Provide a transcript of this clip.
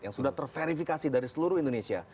yang sudah terverifikasi dari seluruh indonesia